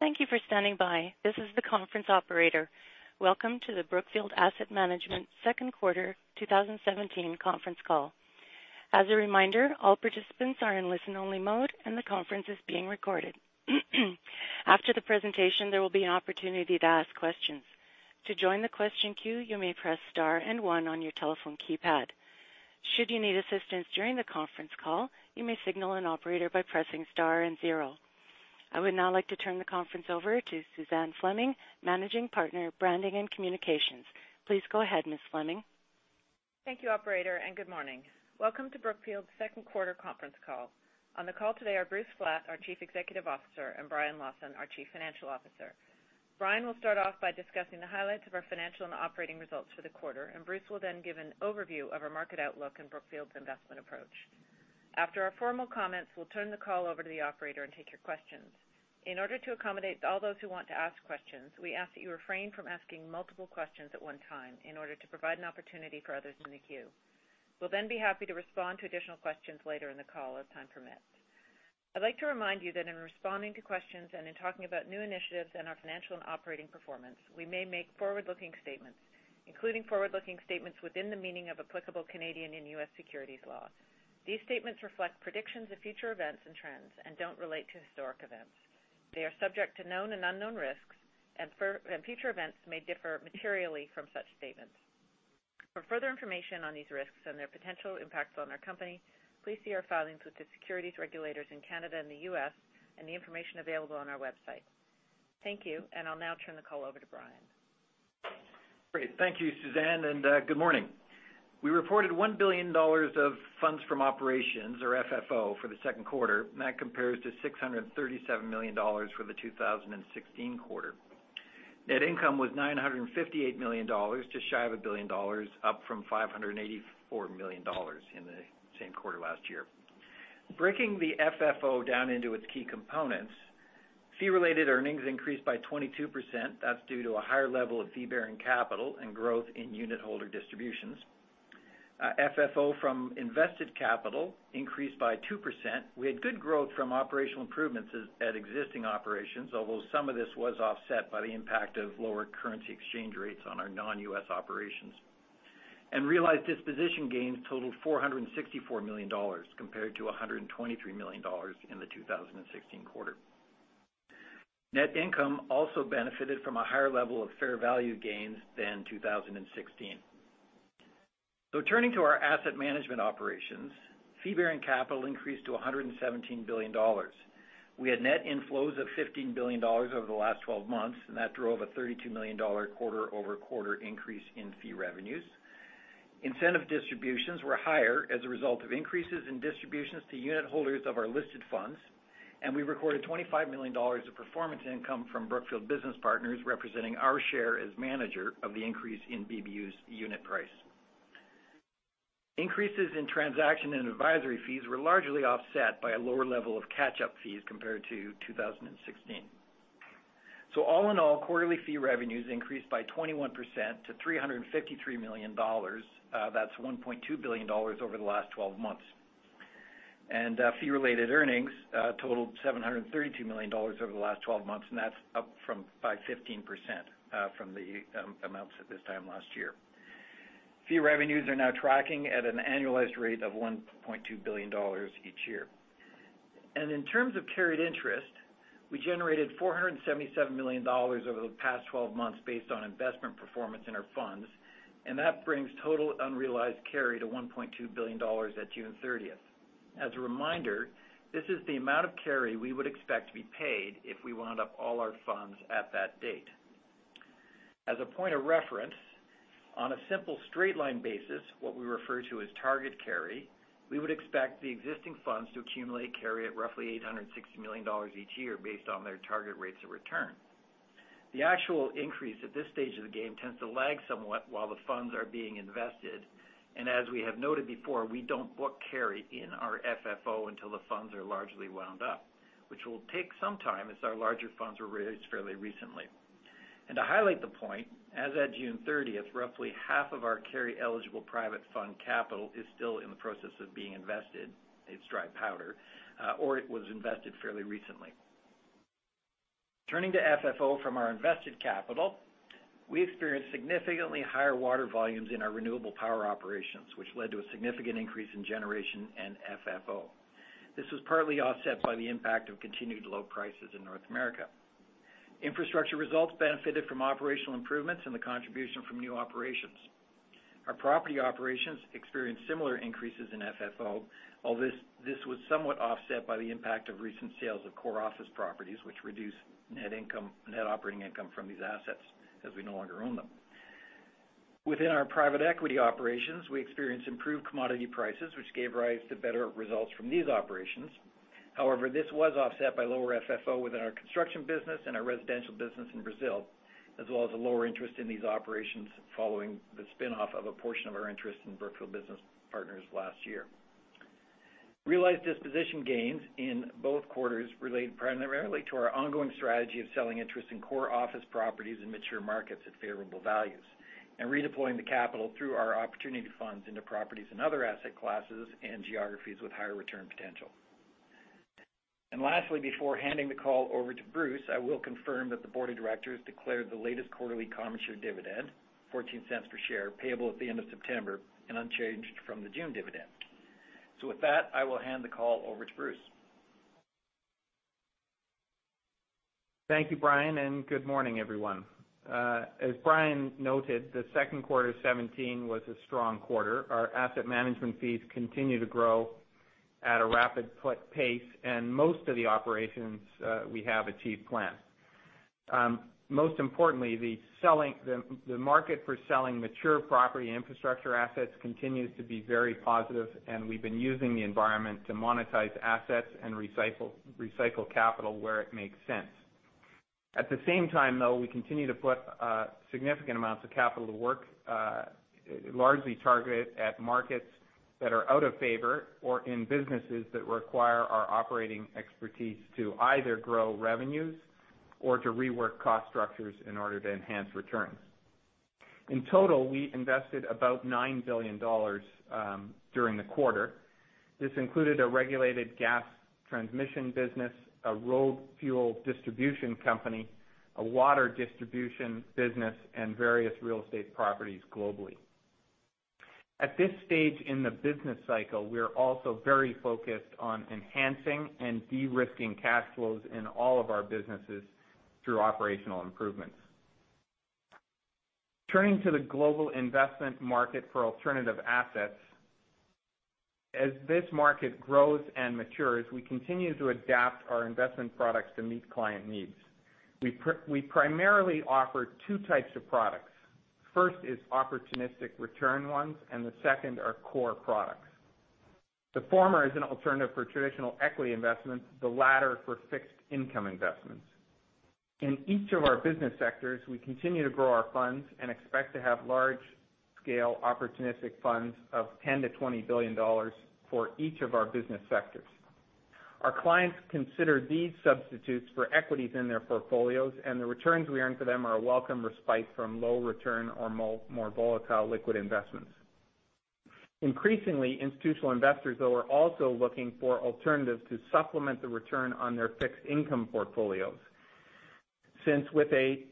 Thank you for standing by. This is the conference operator. Welcome to the Brookfield Asset Management second quarter 2017 conference call. As a reminder, all participants are in listen-only mode and the conference is being recorded. After the presentation, there will be an opportunity to ask questions. To join the question queue, you may press star and one on your telephone keypad. Should you need assistance during the conference call, you may signal an operator by pressing star and zero. I would now like to turn the conference over to Suzanne Fleming, Managing Partner, Branding and Communications. Please go ahead, Ms. Fleming. Thank you, operator, and good morning. Welcome to Brookfield's second quarter conference call. On the call today are Bruce Flatt, our Chief Executive Officer, and Brian Lawson, our Chief Financial Officer. Brian will start off by discussing the highlights of our financial and operating results for the quarter, and Bruce will then give an overview of our market outlook and Brookfield's investment approach. After our formal comments, we'll turn the call over to the operator to take your questions. In order to accommodate all those who want to ask questions, we ask that you refrain from asking multiple questions at one time in order to provide an opportunity for others in the queue. We'll be happy to respond to additional questions later in the call as time permits. I'd like to remind you that in responding to questions and in talking about new initiatives and our financial and operating performance, we may make forward-looking statements, including forward-looking statements within the meaning of applicable Canadian and U.S. securities laws. These statements reflect predictions of future events and trends and don't relate to historic events. They are subject to known and unknown risks, and future events may differ materially from such statements. For further information on these risks and their potential impacts on our company, please see our filings with the securities regulators in Canada and the U.S. and the information available on our website. Thank you, and I'll now turn the call over to Brian. Great. Thank you, Suzanne, and good morning. We reported $1 billion of funds from operations, or FFO, for the second quarter, and that compares to $637 million for the 2016 quarter. Net income was $958 million, just shy of a billion dollars, up from $584 million in the same quarter last year. Breaking the FFO down into its key components, fee-related earnings increased by 22%. That's due to a higher level of fee-bearing capital and growth in unitholder distributions. FFO from invested capital increased by 2%. We had good growth from operational improvements at existing operations, although some of this was offset by the impact of lower currency exchange rates on our non-U.S. operations. Realized disposition gains totaled $464 million compared to $123 million in the 2016 quarter. Net income also benefited from a higher level of fair value gains than 2016. Turning to our asset management operations, fee-bearing capital increased to $117 billion. We had net inflows of $15 billion over the last 12 months, and that drove a $32 million quarter-over-quarter increase in fee revenues. Incentive distributions were higher as a result of increases in distributions to unitholders of our listed funds. We recorded $25 million of performance income from Brookfield Business Partners, representing our share as manager of the increase in BBU's unit price. Increases in transaction and advisory fees were largely offset by a lower level of catch-up fees compared to 2016. All in all, quarterly fee revenues increased by 21% to $353 million. That's $1.2 billion over the last 12 months. Fee-related earnings totaled $732 million over the last 12 months, and that's up by 15% from the amounts at this time last year. Fee revenues are now tracking at an annualized rate of $1.2 billion each year. In terms of carried interest, we generated $477 million over the past 12 months based on investment performance in our funds, and that brings total unrealized carry to $1.2 billion at June 30th. As a reminder, this is the amount of carry we would expect to be paid if we wound up all our funds at that date. As a point of reference, on a simple straight line basis, what we refer to as target carry, we would expect the existing funds to accumulate carry at roughly $860 million each year based on their target rates of return. The actual increase at this stage of the game tends to lag somewhat while the funds are being invested. As we have noted before, we don't book carry in our FFO until the funds are largely wound up, which will take some time as our larger funds were raised fairly recently. To highlight the point, as at June 30th, roughly half of our carry-eligible private fund capital is still in the process of being invested. It's dry powder. It was invested fairly recently. Turning to FFO from our invested capital, we experienced significantly higher water volumes in our renewable power operations, which led to a significant increase in generation and FFO. This was partly offset by the impact of continued low prices in North America. Infrastructure results benefited from operational improvements and the contribution from new operations. Our property operations experienced similar increases in FFO, although this was somewhat offset by the impact of recent sales of core office properties, which reduced net operating income from these assets as we no longer own them. Within our private equity operations, we experienced improved commodity prices, which gave rise to better results from these operations. This was offset by lower FFO within our construction business and our residential business in Brazil, as well as a lower interest in these operations following the spinoff of a portion of our interest in Brookfield Business Partners last year. Realized disposition gains in both quarters relate primarily to our ongoing strategy of selling interest in core office properties in mature markets at favorable values and redeploying the capital through our opportunity funds into properties and other asset classes and geographies with higher return potential. Lastly, before handing the call over to Bruce, I will confirm that the board of directors declared the latest quarterly common share dividend, $0.14 per share, payable at the end of September, and unchanged from the June dividend. With that, I will hand the call over to Bruce. Thank you, Brian, and good morning, everyone. As Brian noted, Q2 2017 was a strong quarter. Our asset management fees continue to grow at a rapid pace, and most of the operations we have achieved plan. Most importantly, the market for selling mature property and infrastructure assets continues to be very positive, and we've been using the environment to monetize assets and recycle capital where it makes sense. At the same time, though, we continue to put significant amounts of capital to work, largely targeted at markets that are out of favor or in businesses that require our operating expertise to either grow revenues or to rework cost structures in order to enhance returns. In total, we invested about $9 billion during the quarter. This included a regulated gas transmission business, a road fuel distribution company, a water distribution business, and various real estate properties globally. At this stage in the business cycle, we're also very focused on enhancing and de-risking cash flows in all of our businesses through operational improvements. Turning to the global investment market for alternative assets. As this market grows and matures, we continue to adapt our investment products to meet client needs. We primarily offer 2 types of products. First is opportunistic return ones, and the second are core products. The former is an alternative for traditional equity investments, the latter for fixed income investments. In each of our business sectors, we continue to grow our funds and expect to have large-scale opportunistic funds of $10 billion to $20 billion for each of our business sectors. Our clients consider these substitutes for equities in their portfolios, and the returns we earn for them are a welcome respite from low return or more volatile liquid investments. Increasingly, institutional investors, though, are also looking for alternatives to supplement the return on their fixed income portfolios. Since with a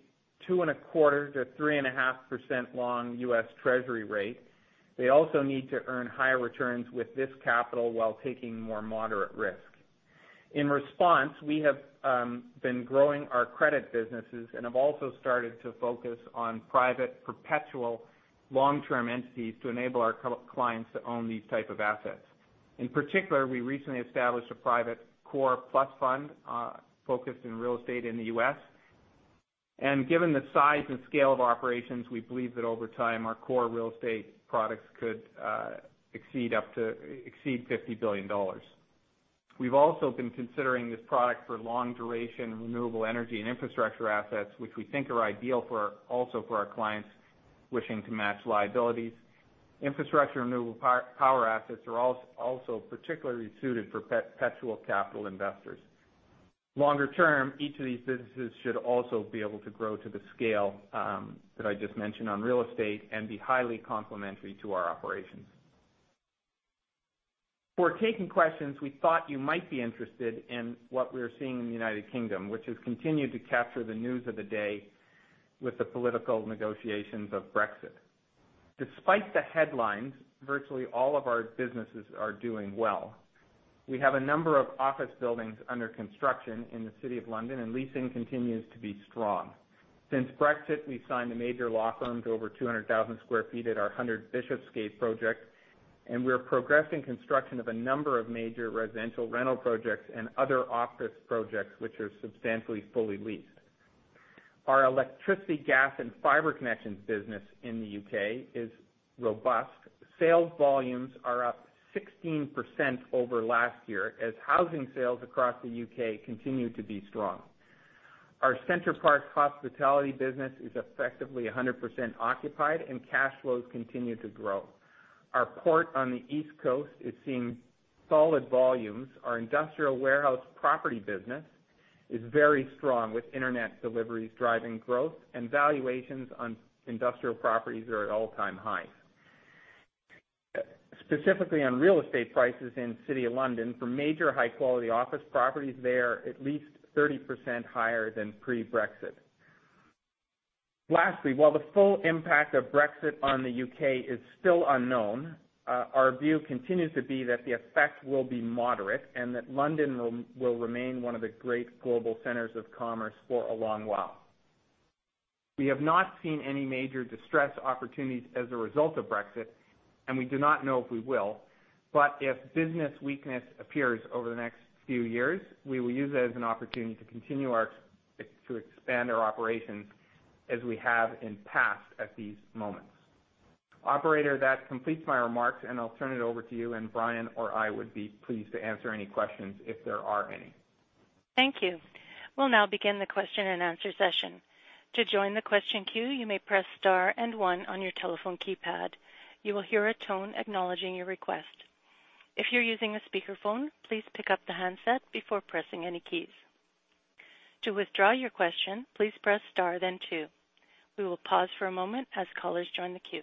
2.25%-3.5% long U.S. Treasury rate, they also need to earn higher returns with this capital while taking more moderate risk. In response, we have been growing our credit businesses and have also started to focus on private, perpetual long-term entities to enable our clients to own these type of assets. In particular, we recently established a private core plus fund focused in real estate in the U.S. Given the size and scale of operations, we believe that over time, our core real estate products could exceed $50 billion. We've also been considering this product for long-duration renewable energy and infrastructure assets, which we think are ideal also for our clients wishing to match liabilities. Infrastructure and renewable power assets are also particularly suited for perpetual capital investors. Longer term, each of these businesses should also be able to grow to the scale that I just mentioned on real estate and be highly complementary to our operations. Before taking questions, we thought you might be interested in what we're seeing in the U.K., which has continued to capture the news of the day with the political negotiations of Brexit. Despite the headlines, virtually all of our businesses are doing well. We have a number of office buildings under construction in the City of London, and leasing continues to be strong. Since Brexit, we signed a major law firm to over 200,000 sq ft at our 100 Bishopsgate project, and we're progressing construction of a number of major residential rental projects and other office projects, which are substantially fully leased. Our electricity, gas, and fiber connections business in the U.K. is robust. Sales volumes are up 16% over last year as housing sales across the U.K. continue to be strong. Our Center Parcs hospitality business is effectively 100% occupied and cash flows continue to grow. Our port on the East Coast is seeing solid volumes. Our industrial warehouse property business is very strong with internet deliveries driving growth, and valuations on industrial properties are at all-time highs. Specifically on real estate prices in the City of London, for major high-quality office properties there, at least 30% higher than pre-Brexit. Lastly, while the full impact of Brexit on the U.K. is still unknown, our view continues to be that the effect will be moderate and that London will remain one of the great global centers of commerce for a long while. We have not seen any major distress opportunities as a result of Brexit, and we do not know if we will. If business weakness appears over the next few years, we will use it as an opportunity to continue to expand our operations as we have in the past at these moments. Operator, that completes my remarks, and I'll turn it over to you, and Brian or I would be pleased to answer any questions if there are any. Thank you. We'll now begin the question and answer session. To join the question queue, you may press star 1 on your telephone keypad. You will hear a tone acknowledging your request. If you're using a speakerphone, please pick up the handset before pressing any keys. To withdraw your question, please press star 2. We will pause for a moment as callers join the queue.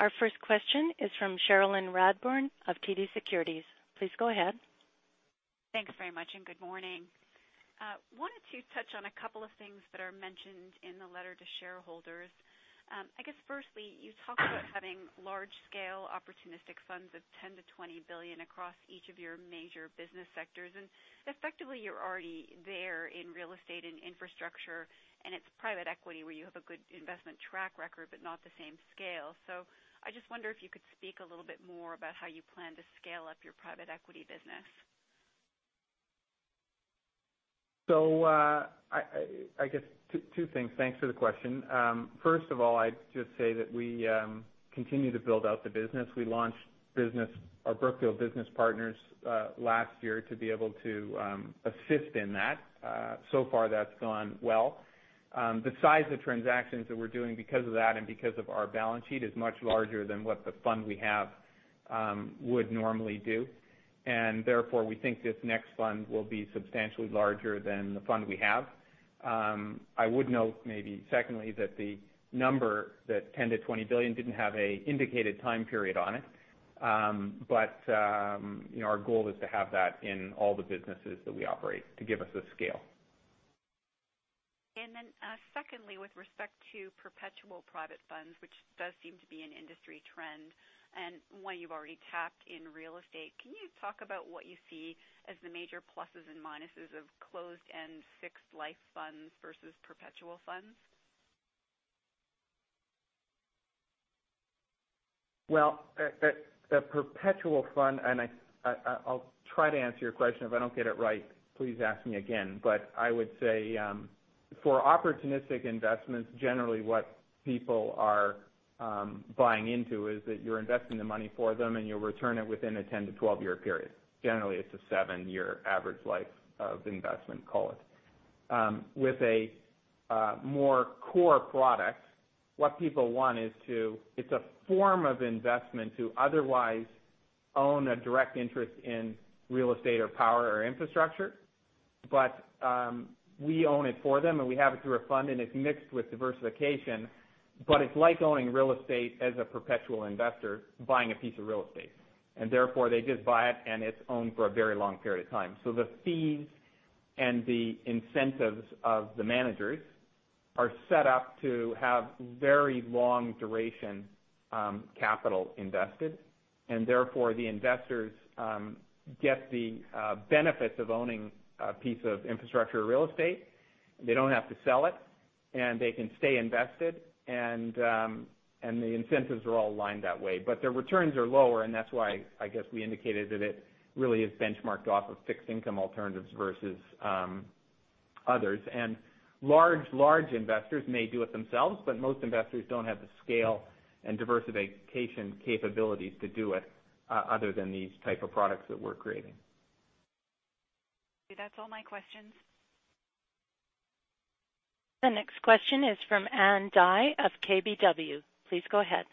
Our first question is from Cherilyn Radbourne of TD Securities. Please go ahead. Thanks very much, and good morning. Wanted to touch on a couple of things that are mentioned in the letter to shareholders. I guess firstly, you talked about having large-scale opportunistic funds of $10 billion-$20 billion across each of your major business sectors, and effectively you're already there in real estate and infrastructure, and it's private equity where you have a good investment track record, but not the same scale. I just wonder if you could speak a little bit more about how you plan to scale up your private equity business. I guess two things. Thanks for the question. First of all, I'd just say that we continue to build out the business. We launched our Brookfield Business Partners last year to be able to assist in that. So far, that's gone well. The size of transactions that we're doing because of that and because of our balance sheet is much larger than what the fund we have would normally do. Therefore, we think this next fund will be substantially larger than the fund we have. I would note maybe secondly, that the number, that $10 billion-$20 billion didn't have an indicated time period on it. Our goal is to have that in all the businesses that we operate to give us the scale. Secondly, with respect to perpetual private funds, which does seem to be an industry trend and one you've already tapped in real estate, can you talk about what you see as the major pluses and minuses of closed-end fixed life funds versus perpetual funds? Well, the perpetual fund, I'll try to answer your question. If I don't get it right, please ask me again. I would say, for opportunistic investments, generally what people are buying into is that you're investing the money for them, and you'll return it within a 10-12 year period. Generally, it's a seven-year average life of investment, call it. With a more core product, what people want is it's a form of investment to otherwise own a direct interest in real estate or power or infrastructure. We own it for them, and we have it through a fund, and it's mixed with diversification, but it's like owning real estate as a perpetual investor buying a piece of real estate. Therefore they just buy it, and it's owned for a very long period of time. The fees and the incentives of the managers are set up to have very long duration capital invested, and therefore, the investors get the benefits of owning a piece of infrastructure or real estate. They don't have to sell it, and they can stay invested. The incentives are all aligned that way, but their returns are lower, and that's why, I guess, we indicated that it really is benchmarked off of fixed income alternatives versus others. Large investors may do it themselves, but most investors don't have the scale and diversification capabilities to do it other than these type of products that we're creating. That's all my questions. The next question is from Ann Dai of KBW. Please go ahead.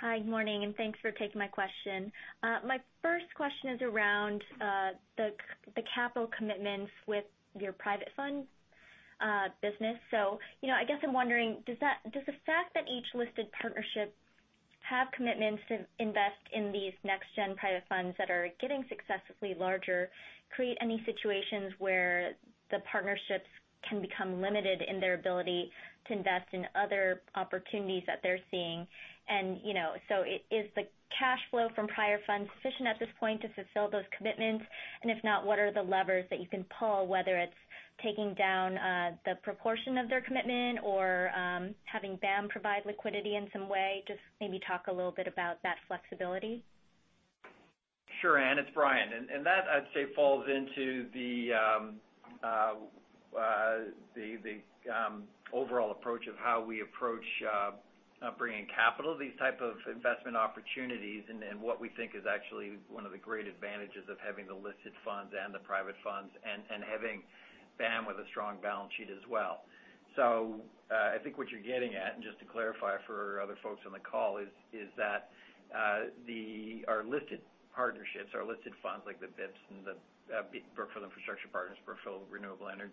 Hi, good morning, thanks for taking my question. My first question is around the capital commitments with your private fund business. I guess I'm wondering, does the fact that each listed partnership have commitments to invest in these next gen private funds that are getting successfully larger create any situations where the partnerships can become limited in their ability to invest in other opportunities that they're seeing? Is the cash flow from prior funds sufficient at this point to fulfill those commitments? If not, what are the levers that you can pull, whether it's taking down the proportion of their commitment or having BAM provide liquidity in some way? Just maybe talk a little bit about that flexibility. Sure, Ann, it's Brian. That I'd say falls into the overall approach of how we approach bringing capital, these type of investment opportunities, and what we think is actually one of the great advantages of having the listed funds and the private funds and having BAM with a strong balance sheet as well. I think what you're getting at, and just to clarify for other folks on the call, is that our listed partnerships, our listed funds, like the BIP and the Brookfield Infrastructure Partners, Brookfield Renewable Partners,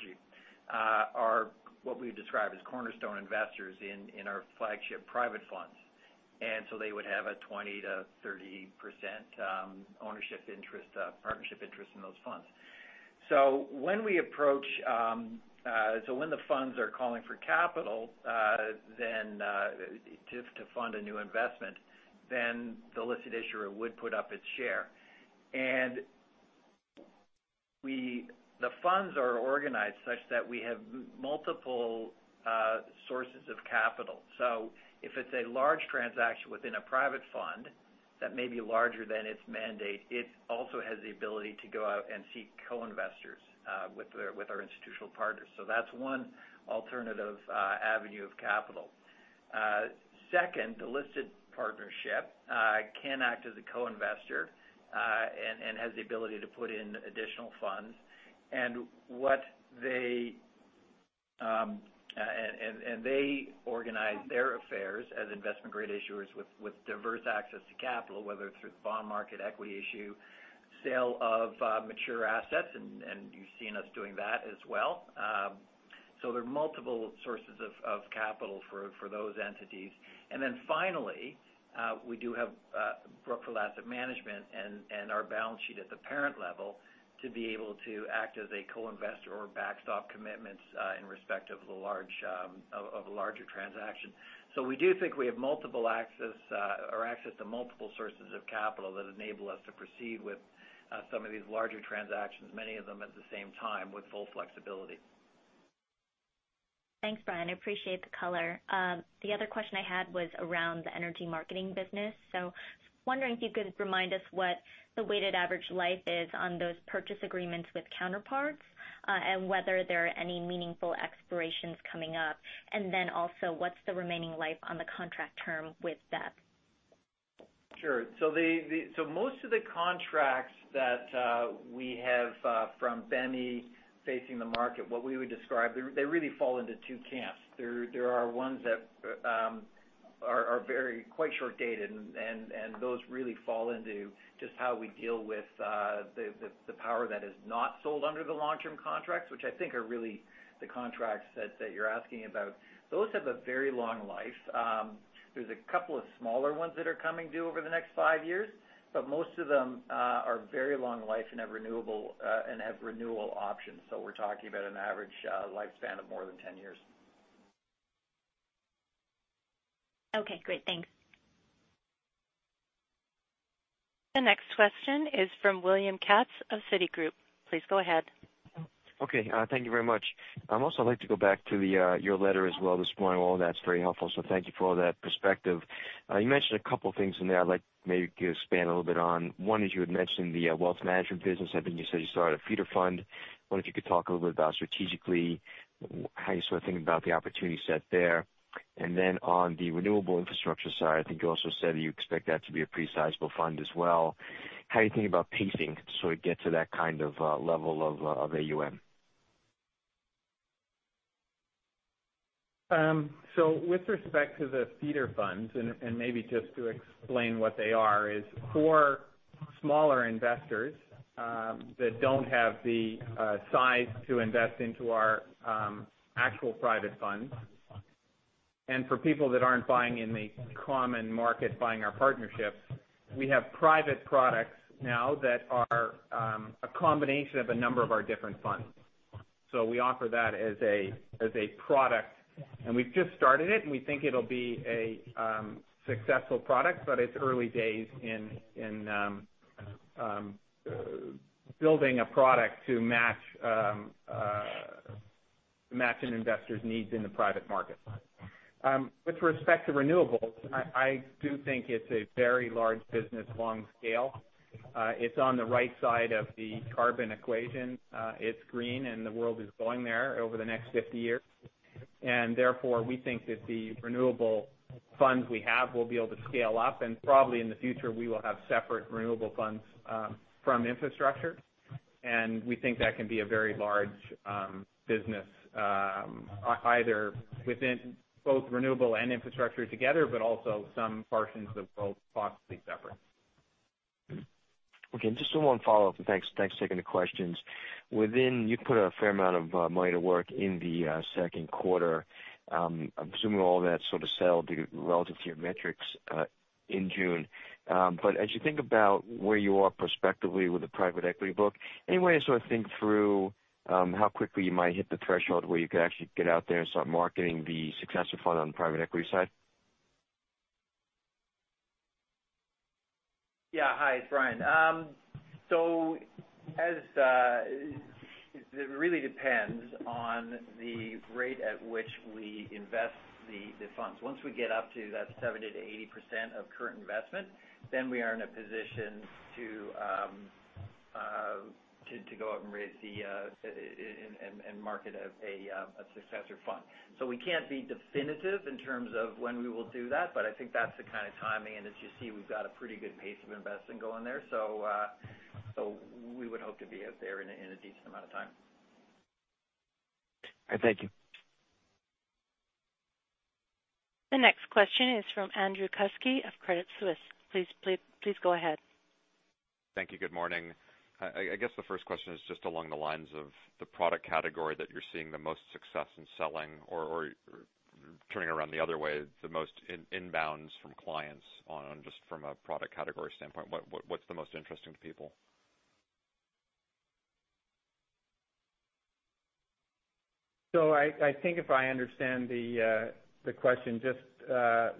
are what we describe as cornerstone investors in our flagship private funds. They would have a 20%-30% ownership interest, partnership interest in those funds. When the funds are calling for capital to fund a new investment, then the listed issuer would put up its share. The funds are organized such that we have multiple sources of capital. If it's a large transaction within a private fund that may be larger than its mandate, it also has the ability to go out and seek co-investors with our institutional partners. That's one alternative avenue of capital. Second, the listed partnership can act as a co-investor and has the ability to put in additional funds. They organize their affairs as investment-grade issuers with diverse access to capital, whether it's through the bond market, equity issue, sale of mature assets, and you've seen us doing that as well. There are multiple sources of capital for those entities. Finally, we do have Brookfield Asset Management and our balance sheet at the parent level to be able to act as a co-investor or backstop commitments in respect of a larger transaction. We do think we have access to multiple sources of capital that enable us to proceed with some of these larger transactions, many of them at the same time with full flexibility. Thanks, Brian. I appreciate the color. The other question I had was around the energy marketing business. Wondering if you could remind us what the weighted average life is on those purchase agreements with counterparts, and whether there are any meaningful expirations coming up. Also, what's the remaining life on the contract term with that? Most of the contracts that we have from BEM, facing the market, what we would describe, they really fall into two camps. There are ones that are very quite short-dated, and those really fall into just how we deal with the power that is not sold under the long-term contracts, which I think are really the contracts that you're asking about. Those have a very long life. There's a couple of smaller ones that are coming due over the next five years, but most of them are very long life and have renewable options. We're talking about an average lifespan of more than 10 years. Okay, great. Thanks. The next question is from William Katz of Citigroup. Please go ahead. Okay. Thank you very much. I'd also like to go back to your letter as well this morning. All that's very helpful. Thank you for all that perspective. You mentioned a couple things in there I'd like maybe you expand a little bit on. One is you had mentioned the wealth management business. I think you said you started a feeder fund. Wonder if you could talk a little bit about strategically, how you sort of think about the opportunity set there. Then on the renewable infrastructure side, I think you also said that you expect that to be a pretty sizable fund as well. How are you thinking about pacing to sort of get to that kind of level of AUM? With respect to the feeder funds, maybe just to explain what they are, is for smaller investors that don't have the size to invest into our actual private funds. For people that aren't buying in the common market, buying our partnerships, we have private products now that are a combination of a number of our different funds. We offer that as a product. We've just started it. We think it'll be a successful product, it's early days in building a product to match an investor's needs in the private market. With respect to renewables, I do think it's a very large business long scale. It's on the right side of the carbon equation. It's green, the world is going there over the next 50 years. Therefore, we think that the renewable funds we have will be able to scale up. Probably in the future, we will have separate renewable funds from infrastructure. We think that can be a very large business, either within both renewable and infrastructure together, but also some portions of both possibly separate. Okay. Just one follow-up. Thanks for taking the questions. Within, you put a fair amount of money to work in the second quarter. I'm assuming all that sort of settled relative to your metrics in June. As you think about where you are prospectively with the private equity book, any way you sort of think through how quickly you might hit the threshold where you could actually get out there and start marketing the successor fund on the private equity side? Yeah. Hi, it's Brian. It really depends on the rate at which we invest the funds. Once we get up to that 70%-80% of current investment, we are in a position to go out and raise and market a successor fund. We can't be definitive in terms of when we will do that. I think that's the kind of timing. As you see, we've got a pretty good pace of investing going there. We would hope to be out there in a decent amount of time. All right. Thank you. The next question is from Andrew Kuske of Credit Suisse. Please go ahead. Thank you. Good morning. I guess the first question is just along the lines of the product category that you're seeing the most success in selling or turning around the other way, the most inbounds from clients on just from a product category standpoint. What's the most interesting to people? I think if I understand the question, just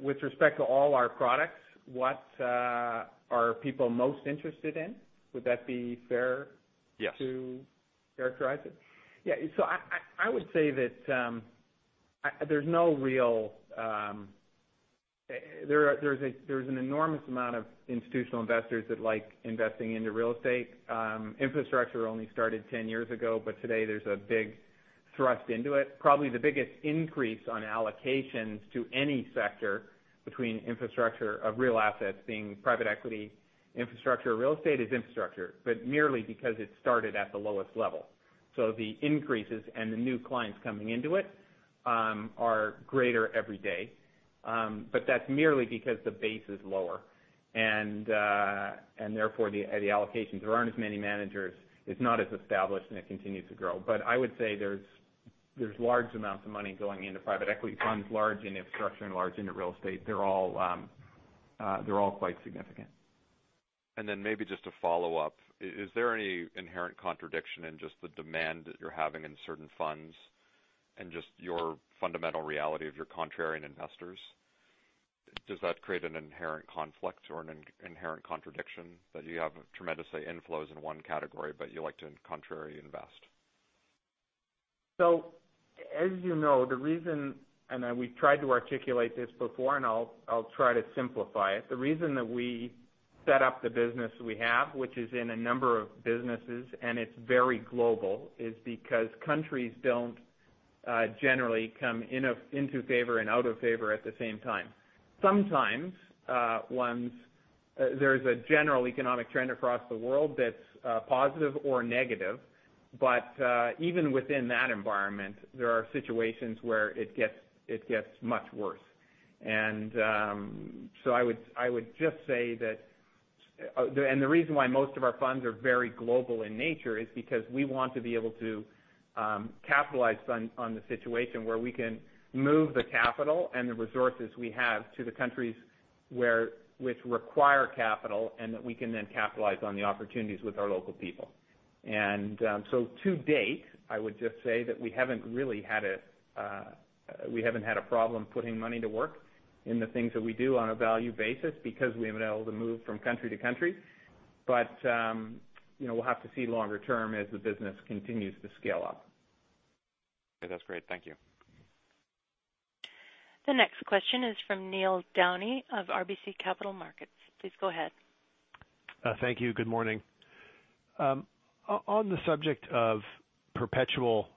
with respect to all our products, what are people most interested in? Would that be fair? Yes to characterize it? Yeah. I would say that there's an enormous amount of institutional investors that like investing into real estate. Infrastructure only started 10 years ago, but today there's a big thrust into it. Probably the biggest increase on allocations to any sector between infrastructure of real assets being private equity infrastructure or real estate is infrastructure, but merely because it started at the lowest level. The increases and the new clients coming into it are greater every day. That's merely because the base is lower. Therefore, the allocations. There aren't as many managers. It's not as established, and it continues to grow. I would say there's large amounts of money going into private equity funds, large infrastructure, and large into real estate. They're all quite significant. Maybe just a follow-up. Is there any inherent contradiction in just the demand that you're having in certain funds and just your fundamental reality of your contrarian investors? Does that create an inherent conflict or an inherent contradiction that you have tremendous, say, inflows in one category, but you like to contrarian invest? As you know, the reason, and we tried to articulate this before, and I'll try to simplify it. The reason that we set up the business we have, which is in a number of businesses, and it's very global, is because countries don't generally come into favor and out of favor at the same time. Sometimes there's a general economic trend across the world that's positive or negative. Even within that environment, there are situations where it gets much worse. The reason why most of our funds are very global in nature is because we want to be able to capitalize on the situation where we can move the capital and the resources we have to the countries which require capital, and that we can then capitalize on the opportunities with our local people. To date, I would just say that we haven't had a problem putting money to work in the things that we do on a value basis because we've been able to move from country to country. We'll have to see longer term as the business continues to scale up. Okay. That's great. Thank you. The next question is from Neil Downey of RBC Capital Markets. Please go ahead. Thank you. Good morning. On the subject of perpetual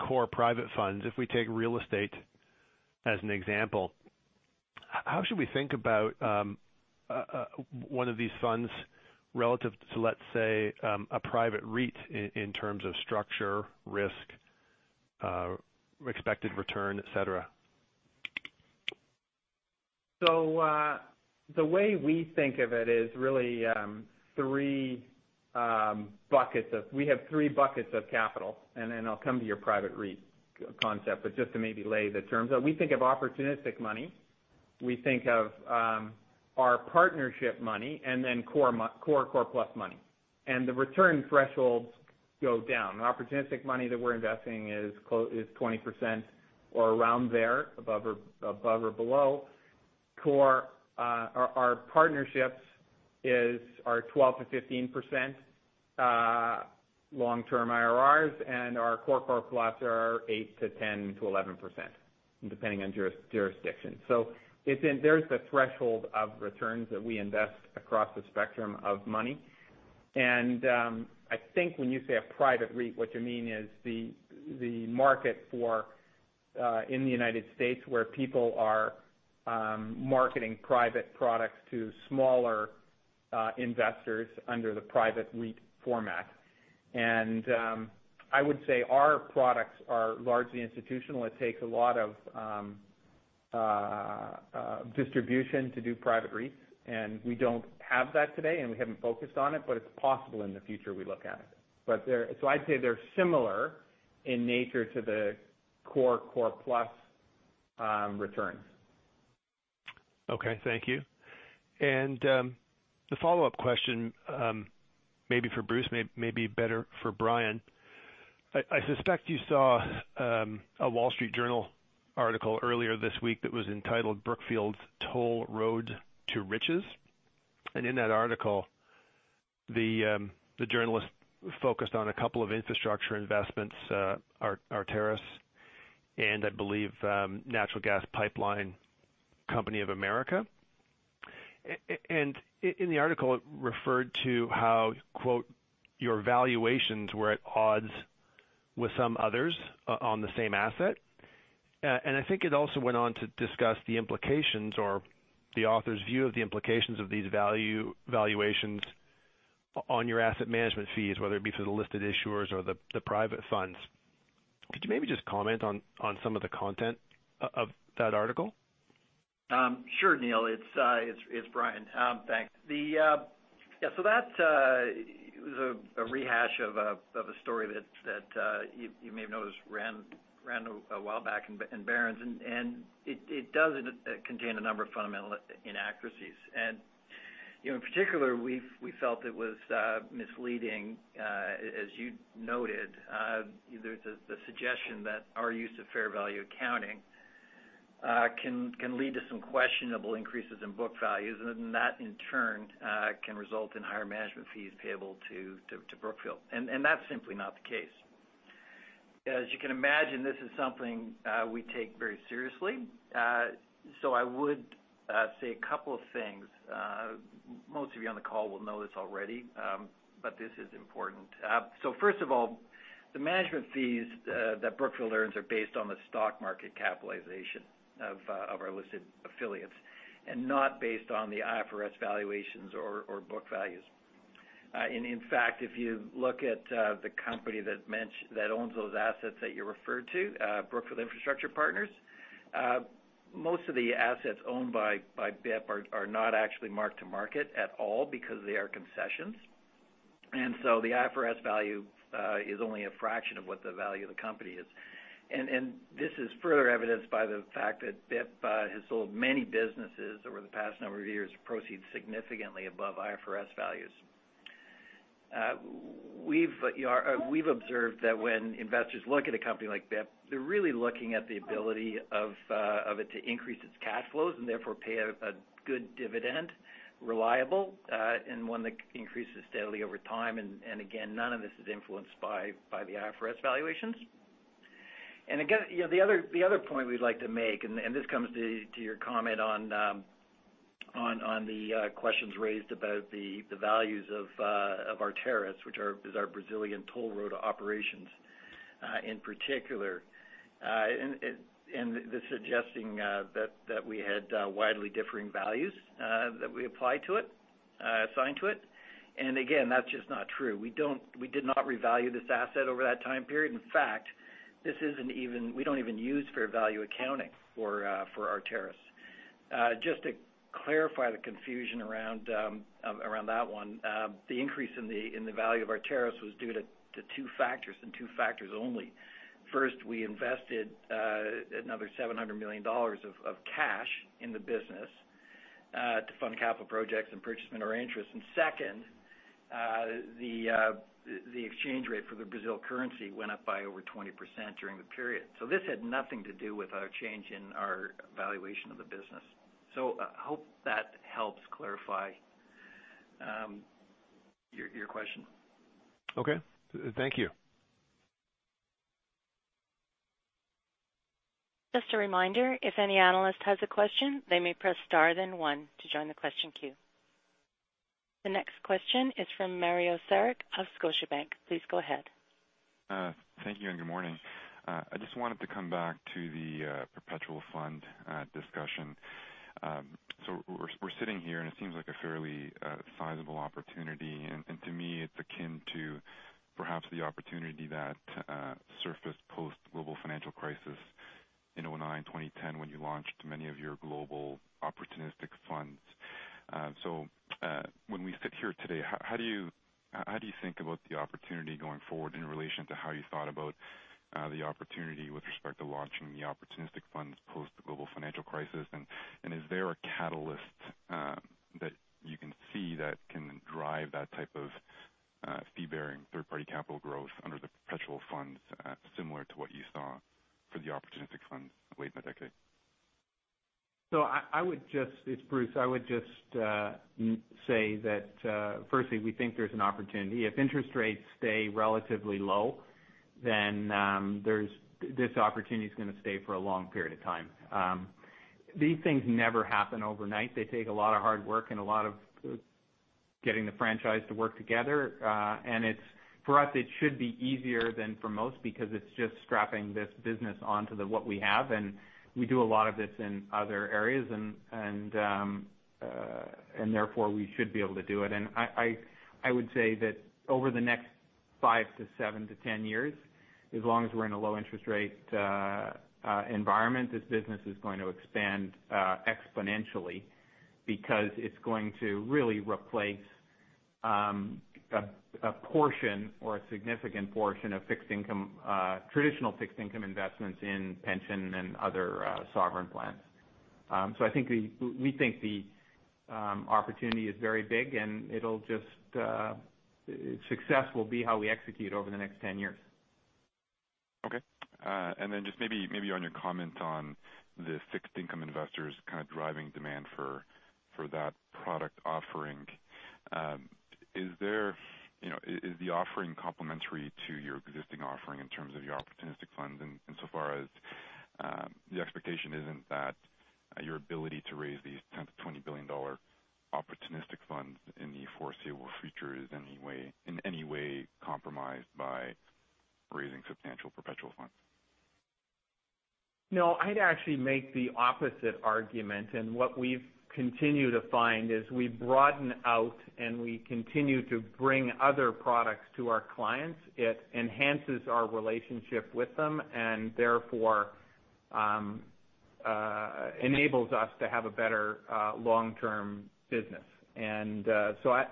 core private funds, if we take real estate as an example, how should we think about one of these funds relative to, let's say, a private REIT in terms of structure, risk, expected return, et cetera? The way we think of it is really we have three buckets of capital, then I'll come to your private REIT concept. Just to maybe lay the terms out. We think of opportunistic money, we think of our partnership money, then core plus money. The return thresholds go down. The opportunistic money that we're investing is 20% or around there, above or below. Our partnerships are 12%-15% long-term IRRs, and our core plus are 8%-10%-11%, depending on jurisdiction. There's the threshold of returns that we invest across the spectrum of money. I think when you say a private REIT, what you mean is the market in the U.S., where people are marketing private products to smaller investors under the private REIT format. I would say our products are largely institutional. It takes a lot of distribution to do private REITs, and we don't have that today, and we haven't focused on it, but it's possible in the future we look at it. I'd say they're similar in nature to the core plus returns. Okay, thank you. The follow-up question maybe for Bruce, maybe better for Brian. I suspect you saw a Wall Street Journal article earlier this week that was entitled "Brookfield's Toll Road to Riches." In that article, the journalist focused on a couple of infrastructure investments, Arteris and I believe Natural Gas Pipeline Company of America. In the article, it referred to how, quote, "Your valuations were at odds with some others on the same asset." I think it also went on to discuss the implications or the author's view of the implications of these valuations on your asset management fees, whether it be for the listed issuers or the private funds. Could you maybe just comment on some of the content of that article? Sure. Neil. It's Brian. Thanks. That's a rehash of a story that you may have noticed ran a while back in Barron's, and it does contain a number of fundamental inaccuracies. In particular, we felt it was misleading. As you noted, there's the suggestion that our use of fair value accounting can lead to some questionable increases in book values, and that in turn can result in higher management fees payable to Brookfield, and that's simply not the case. As you can imagine, this is something we take very seriously. I would say a couple of things. Most of you on the call will know this already, but this is important. First of all, the management fees that Brookfield earns are based on the stock market capitalization of our listed affiliates and not based on the IFRS valuations or book values. In fact, if you look at the company that owns those assets that you referred to, Brookfield Infrastructure Partners, most of the assets owned by BIP are not actually marked to market at all because they are concessions. The IFRS value is only a fraction of what the value of the company is. This is further evidenced by the fact that BIP has sold many businesses over the past number of years, proceed significantly above IFRS values. We've observed that when investors look at a company like BIP, they're really looking at the ability of it to increase its cash flows and therefore pay a good dividend, reliable, and one that increases steadily over time. Again, none of this is influenced by the IFRS valuations. Again, the other point we'd like to make, this comes to your comment on the questions raised about the values of Arteris, which is our Brazilian toll road operations, in particular. The suggesting that we had widely differing values that we applied to it, assigned to it. Again, that's just not true. We did not revalue this asset over that time period. In fact, we don't even use fair value accounting for Arteris. Just to clarify the confusion around that one, the increase in the value of Arteris was due to two factors and two factors only. First, we invested another $700 million of cash in the business, to fund capital projects and purchase minority interest. Second, the exchange rate for the Brazil currency went up by over 20% during the period. This had nothing to do with our change in our valuation of the business. I hope that helps clarify your question. Okay. Thank you. Just a reminder, if any analyst has a question, they may press star then one to join the question queue. The next question is from Mario Saric of Scotiabank. Please go ahead. Thank you and good morning. I just wanted to come back to the perpetual fund discussion. We're sitting here, it seems like a fairly sizable opportunity. To me, it's akin to perhaps the opportunity that surfaced post Global Financial Crisis in 2009, 2010, when you launched many of your global opportunistic funds. When we sit here today, how do you think about the opportunity going forward in relation to how you thought about the opportunity with respect to launching the opportunistic funds post the Global Financial Crisis? Is there a catalyst that you can see that can drive that type of fee-bearing third-party capital growth under the perpetual funds, similar to what you saw for the opportunistic funds late in the decade? It's Bruce. I would just say that, firstly, we think there's an opportunity. If interest rates stay relatively low, this opportunity's going to stay for a long period of time. These things never happen overnight. They take a lot of hard work and a lot of getting the franchise to work together. For us, it should be easier than for most because it's just strapping this business onto what we have, we do a lot of this in other areas. Therefore, we should be able to do it. I would say that over the next 5 to 7 to 10 years, as long as we're in a low interest rate environment, this business is going to expand exponentially because it's going to really replace a portion or a significant portion of traditional fixed income investments in pension and other sovereign plans. We think the opportunity is very big, success will be how we execute over the next 10 years. Okay. Just maybe on your comment on the fixed income investors kind of driving demand for that product offering. Is the offering complementary to your existing offering in terms of your opportunistic funds? Insofar as the expectation isn't that your ability to raise these $10 billion-$20 billion opportunistic funds in the foreseeable future is in any way compromised by raising substantial perpetual funds? No, I'd actually make the opposite argument. What we've continued to find is we broaden out, and we continue to bring other products to our clients. It enhances our relationship with them and therefore, enables us to have a better long-term business.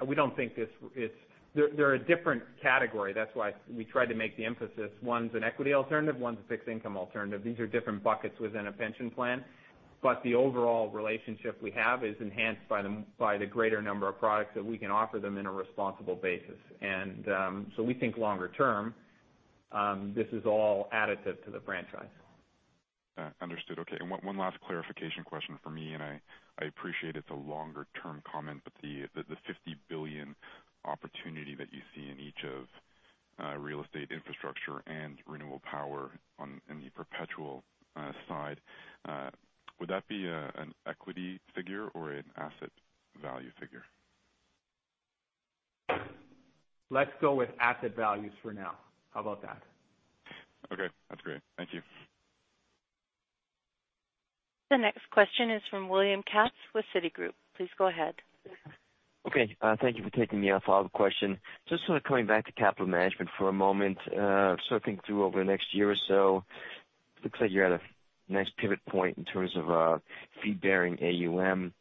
We don't think this is. They're a different category. That's why we tried to make the emphasis. One's an equity alternative, one's a fixed income alternative. These are different buckets within a pension plan. The overall relationship we have is enhanced by the greater number of products that we can offer them in a responsible basis. We think longer term, this is all additive to the franchise. Understood. Okay. One last clarification question from me, and I appreciate it's a longer-term comment, but the $50 billion opportunity that you see in each of real estate, infrastructure, and renewable power in the perpetual side, would that be an equity figure or an asset value figure? Let's go with asset values for now. How about that? Okay. That's great. Thank you. The next question is from William Katz with Citigroup. Please go ahead. Okay. Thank you for taking my follow-up question. Just sort of coming back to capital management for a moment. Sort of thinking through over the next year or so, looks like you're at a nice pivot point in terms of fee-bearing AUM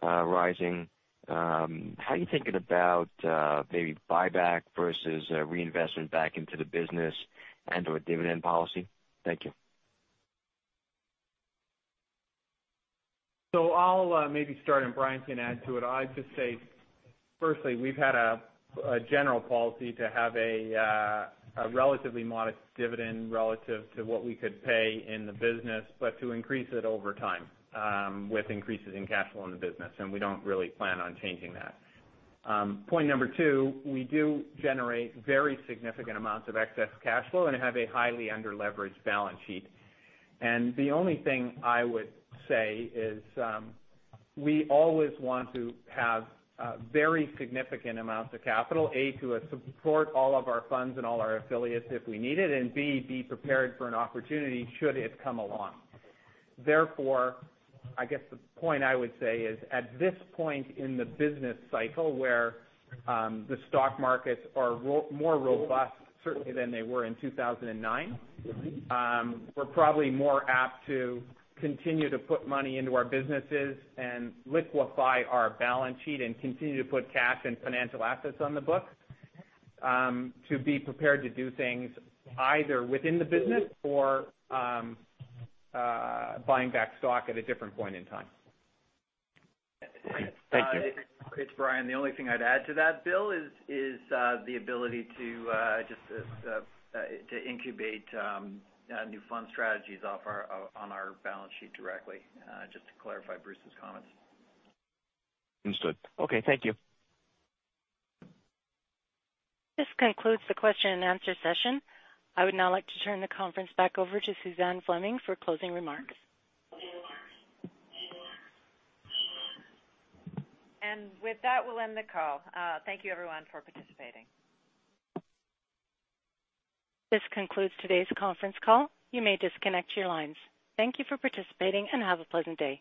rising. How are you thinking about maybe buyback versus reinvestment back into the business and/or dividend policy? Thank you. I'll maybe start and Brian can add to it. I'd just say, firstly, we've had a general policy to have a relatively modest dividend relative to what we could pay in the business, but to increase it over time with increases in cash flow in the business, and we don't really plan on changing that. Point number two, we do generate very significant amounts of excess cash flow and have a highly under-leveraged balance sheet. The only thing I would say is, we always want to have very significant amounts of capital, A, to support all of our funds and all our affiliates if we need it, and B, be prepared for an opportunity should it come along. I guess the point I would say is, at this point in the business cycle where the stock markets are more robust certainly than they were in 2009. We're probably more apt to continue to put money into our businesses and liquefy our balance sheet and continue to put cash and financial assets on the book, to be prepared to do things either within the business or buying back stock at a different point in time. Thank you. It's Brian. The only thing I'd add to that, Bill, is the ability to incubate new fund strategies on our balance sheet directly, just to clarify Bruce's comments. Understood. Okay, thank you. This concludes the question and answer session. I would now like to turn the conference back over to Suzanne Fleming for closing remarks. With that, we'll end the call. Thank you everyone for participating. This concludes today's conference call. You may disconnect your lines. Thank you for participating, and have a pleasant day.